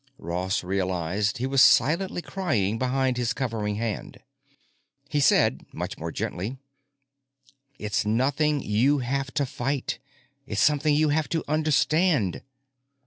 Ross realized he was silently crying behind his covering hand. He said, much more gently, "It's nothing you have to fight. It's something you have to understand."